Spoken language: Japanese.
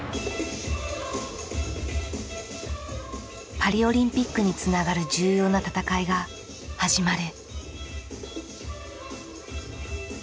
パリオリンピックにつながる重要な戦いが始まる。